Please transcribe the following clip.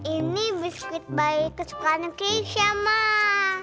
ini biskuit bayi kesukaan keisha mah